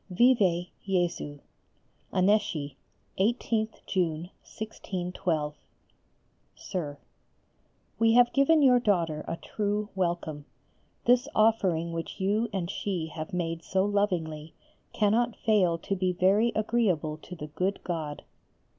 _ Vive [+] Jésus! ANNECY, 18th June, 1612. SIR, We have given your daughter a true welcome. This offering which you and she have made so lovingly cannot fail to be very agreeable to the good God.